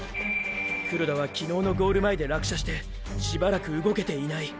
黒田は昨日のゴール前で落車してしばらく動けていない。